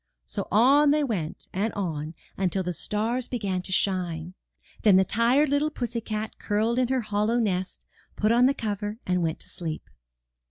So on they went, and on, until the stars began to shine. Then the tired little pussy cat curled in her hollow nest, put on the cover, and went to sleep.